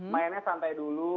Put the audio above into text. mainnya santai dulu